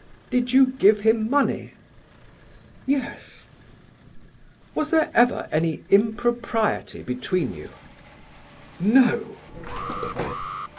"Did you give him money?" "Yes." "Was there ever any impropriety between you?" "No."